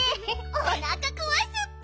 おなかこわすッピ！